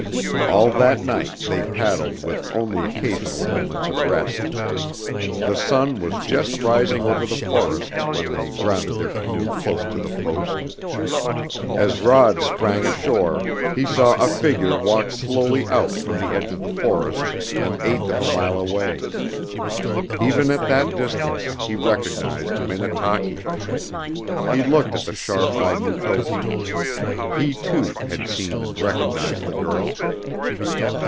All that night they paddled with only occasional moments of rest. The sun was just rising over the forests when they grounded their canoe close to the Post. As Rod sprang ashore he saw a figure walk slowly out from the edge of the forest an eighth of a mile away. Even at that distance he recognized Minnetaki! He looked at the sharp eyed Mukoki. He, too, had seen and recognized the girl.